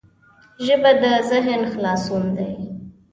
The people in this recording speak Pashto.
ژبه د ذهن خلاصون دی